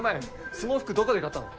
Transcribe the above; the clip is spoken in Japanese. その服どこで買ったの？